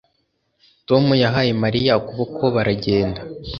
Tom yahaye Mariya ukuboko baragenda